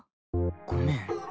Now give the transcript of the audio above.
ごめん。